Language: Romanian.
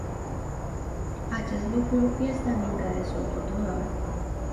Acest lucru este în interesul tuturor.